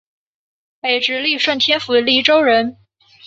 北直隶顺天府蓟州人。